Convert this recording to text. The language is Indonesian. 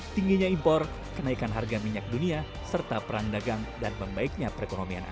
tingginya impor kenaikan harga minyak dunia serta perang dagang dan membaiknya perekonomian